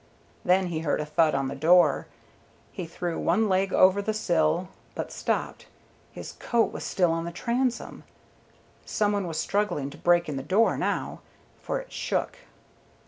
Then he heard a thud on the door. He threw one leg over the sill, but stopped his coat was still on the transom. Some one was struggling to break in the door now, for it shook.